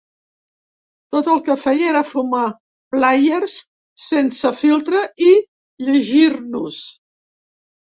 Tot el que feia era fumar Player's sense filtre i llegir-nos.